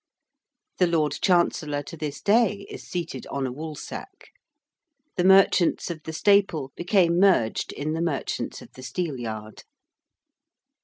The Lord Chancellor, to this day, is seated on a Woolsack. The Merchants of the Staple became merged in the Merchants of the Steelyard.